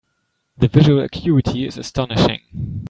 The visual acuity is astonishing.